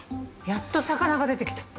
やっと魚が出てきた。